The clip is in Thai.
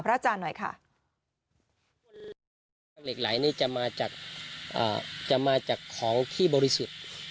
อาจารย์หน่อยค่ะเหล็กไหลนี่จะมาจากจะมาจากของที่บริสุทธิ์